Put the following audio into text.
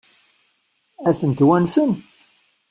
Ad tent-wansen?